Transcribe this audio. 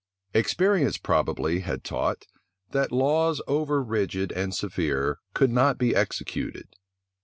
Experience probably had taught, that laws over rigid and severe could not be executed.